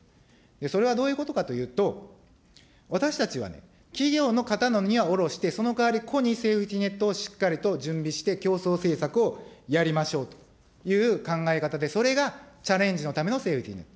それはどういうことかというと、私たちはね、企業の肩の荷はおろして、そのかわり、個にセーフティネットをしっかりと準備して、競争政策をやりましょうという考え方で、それがチャレンジのためのセーフティネット。